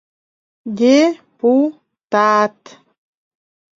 Де-пу-тат!